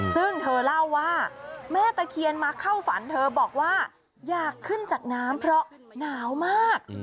ซึ่งเธอเล่าว่าแม่ตะเคียนมาเข้าฝันเธอบอกว่าอยากขึ้นจากน้ำเพราะหนาวมาก